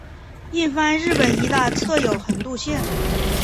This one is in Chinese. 印幡日本医大侧有横渡线。